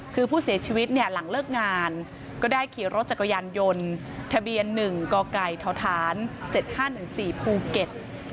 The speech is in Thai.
คือผู้เสียชีวิตเนี่ยหลังเลิกงานก็ได้ขี่รถจักรยานยนต์ทะเบียน๑กไก่ทฐาน๗๕๑๔ภูเก็ต